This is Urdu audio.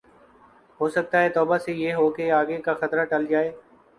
ہوسکتا ہے توبہ سے یہ ہو کہ آگے کا خطرہ ٹل جاۓ